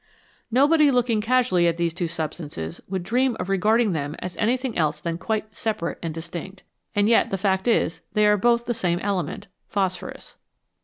Nobody looking casually at these two substances would dream of regarding them as anything else than quite separate and distinct. And yet the fact is they are both the same element phosphorus.